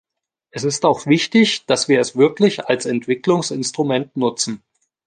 Es ist auch wichtig, dass wir es wirklich als Entwicklungsinstrument nutzen.